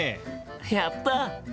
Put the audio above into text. やった！